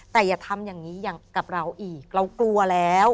แต่อย่าทำอย่างนี้อย่างกับเราอีกเรากลัวแล้ว